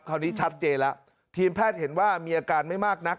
คราวนี้ชัดเจนแล้วทีมแพทย์เห็นว่ามีอาการไม่มากนัก